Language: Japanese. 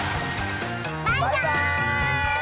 バイバーイ！